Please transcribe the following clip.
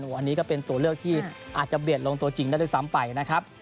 อันนี้ก็เป็นตัวเลือกที่อาจจะเบียดลงตัวจริงได้ด้วยซ้ำไปนะครับ